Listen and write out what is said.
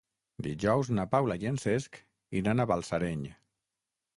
Dijous na Paula i en Cesc iran a Balsareny.